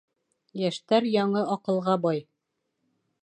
Йәштәр яңы аҡылға бай.